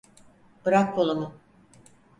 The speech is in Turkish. Bırak kolumu.